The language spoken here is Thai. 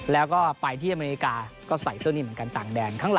แล้วก็ไปที่อเมริกาก็ใส่เสื้อนี้เหมือนกันต่างแดน